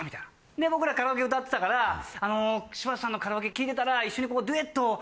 で僕らカラオケ歌ってたから「あの柴田さんのカラオケ聞いてたら一緒に」。